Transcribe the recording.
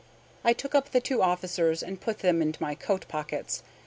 I took up the two officers, and put them into my coat pockets.